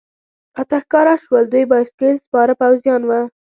راته ښکاره شول، دوی بایسکل سپاره پوځیان و.